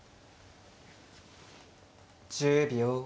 １０秒。